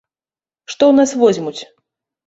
Што ў нас возьмуць?